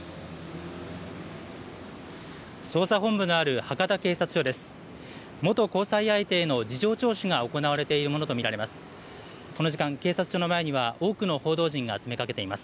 捜査本部のある博多警察署です。